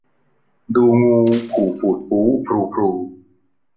ดูงูขู่ฝูดฝู้ พรูพรู